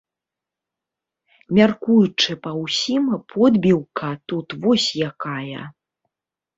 Мяркуючы па ўсім, подбіўка тут вось якая.